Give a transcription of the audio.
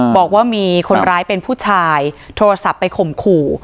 บอกว่ามีคนร้ายเป็นผู้ชายโทรศัพท์ไปข่มขู่